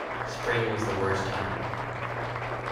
Spring was the worst time.